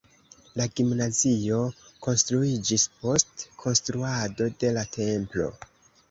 La gimnazio konstruiĝis post konstruado de la templo.